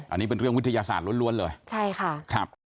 อันนี้เป็นเรื่องวิทยาศาสตร์ล้วนเลยใช่ค่ะครับ